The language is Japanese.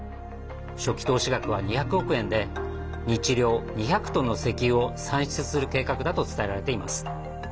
初期投資額は２００億円で日量２００トンの石油を産出する計画だと伝えられています。